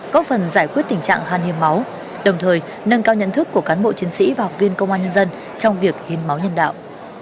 có phần giải quyết tình trạng hàn hiếm máu đồng thời nâng cao nhận thức của cán bộ chiến sĩ và học viên công an nhân dân trong việc hiến máu nhân đạo